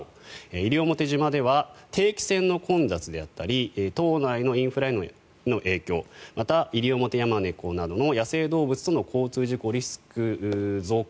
西表島では定期船の混雑であったり島内のインフラへの影響またイリオモテヤマネコなどの野生動物との交通事故リスクの増加。